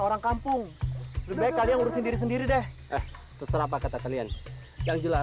orang kampung lebih kalian urusin diri sendiri deh eh tetap apa kata kalian yang